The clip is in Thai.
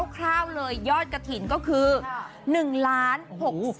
คร่าวเลยยอดกระถิ่นก็คือ๑๖๕๐๔๓บาท